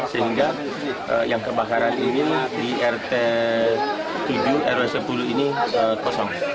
sehingga yang kebakaran ini di rt tujuh rw sepuluh ini kosong